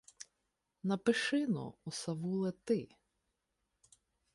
Напиши-но, осавуле, ти.